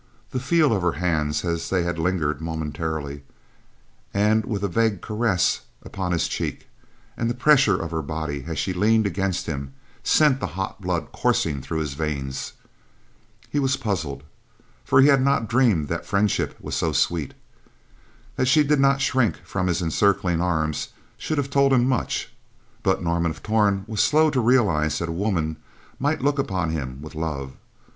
The feel of her hands as they had lingered momentarily, and with a vague caress upon his cheek, and the pressure of her body as she leaned against him sent the hot blood coursing through his veins. He was puzzled, for he had not dreamed that friendship was so sweet. That she did not shrink from his encircling arms should have told him much, but Norman of Torn was slow to realize that a woman might look upon him with love.